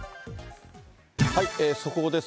速報です。